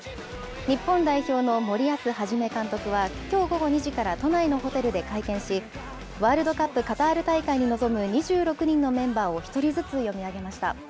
日本代表の森保一監督は、きょう午後２時から都内のホテルで会見しワールドカップカタール大会に臨む２６人のメンバーを１人ずつ読み上げました。